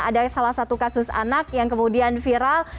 ada salah satu kasus anak yang kemudian viral